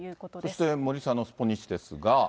そして森さんのスポニチですが。